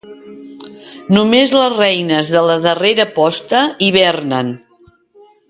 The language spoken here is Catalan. Només les reines de la darrera posta hivernen.